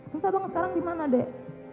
terus abang sekarang di mana dek